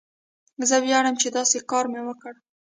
زه ویاړم چې داسې کار مې وکړ.